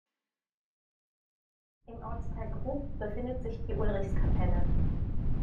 Im Ortsteil Grub befindet sich die Ulrichskapelle.